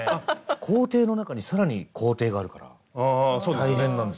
工程の中に更に工程があるから大変なんですよ。